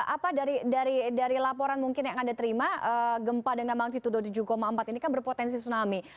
apa dari laporan mungkin yang anda terima gempa dengan magnitudo tujuh empat ini kan berpotensi tsunami